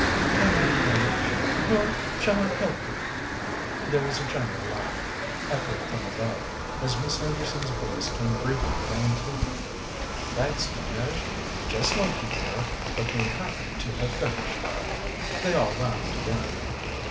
"Can you manage, or shall I help you?" There was a general laugh, echoed from above, as Miss Henderson's voice came briefly down to them: "Thanks, Delmege; just like you, dear, but we happen to have finished." They all laughed again.